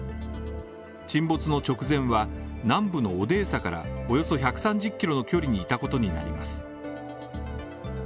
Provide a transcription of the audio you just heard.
沈没の直前は、南部のオデーサからおよそ１３０キロの距離にいたことになります